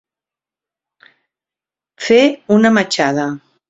Fer una matxada.